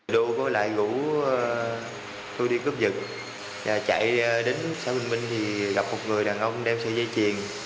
đô có lại gũ tôi đi cướp giật và chạy đến xã vinh minh thì gặp một người đàn ông đem xe dây triền